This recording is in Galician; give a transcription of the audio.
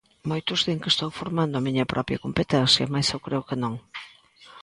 Moitos din que estou formando a miña propia competencia mais eu creo que non.